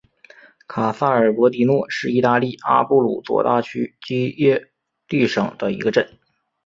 卡萨尔博迪诺是意大利阿布鲁佐大区基耶蒂省的一个镇。